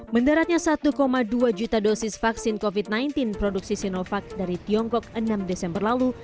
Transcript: mendaratnya satu dua juta dosis vaksin covid sembilan belas produksi sinovac dari tiongkok enam desember lalu